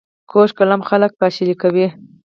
کوږ کلام خلک پاشل کوي